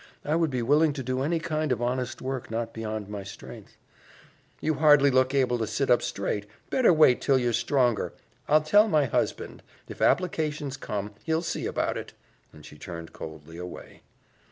I would be willing to do any kind of honest work not beyond my strength." "You hardly look able to sit up straight. Better wait till you're stronger. I'll tell my husband. If applications come, he'll see about it," and she turned coldly away.